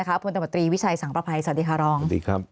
หัวหน้าประตรีวิชัยสังประไภสวัสดีครับหลอง